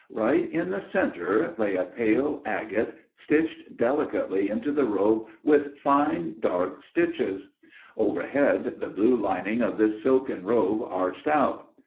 Right in the centre lay a pale agate stitched delicately into the robe with fine dark stitches; overhead the blue lining of this silken robe arched out.